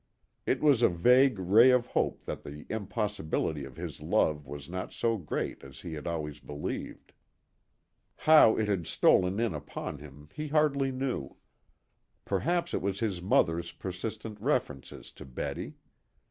It was a vague ray of hope that the impossibility of his love was not so great as he had always believed. How it had stolen in upon him he hardly knew. Perhaps it was his mother's persistent references to Betty.